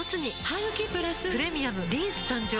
ハグキプラス「プレミアムリンス」誕生